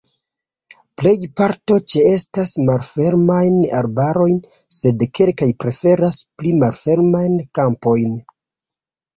Plej parto ĉeestas malfermajn arbarojn, sed kelkaj preferas pli malfermajn kampojn.